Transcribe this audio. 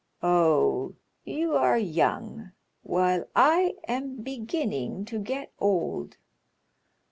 Oh, you are young while I am beginning to get old.